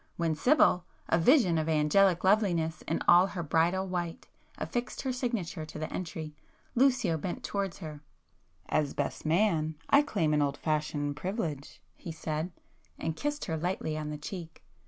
When Sibyl, a vision of angelic loveliness in all her bridal white, affixed her signature to the entry, Lucio bent towards her,— "As 'best man' I claim an old fashioned privilege!" he said, and kissed her lightly on the cheek.